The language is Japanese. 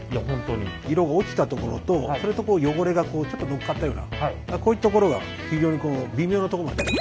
色が落ちたところと汚れがちょっと乗っかったようなこういうところが非常に微妙なところまで。